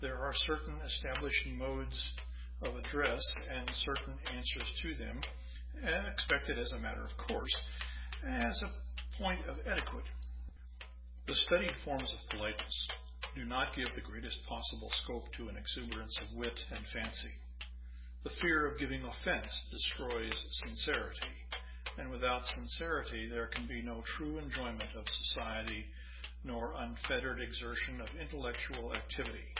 There are certain established modes of address, and certain answers to them expected as a matter of course, as a point of etiquette. The studied forms of politeness do not give the greatest possible scope to an exuberance of wit and fancy. The fear of giving offence destroys sincerity, and without sincerity there can be no true enjoyment of society, nor unfettered exertion of intellectual activity.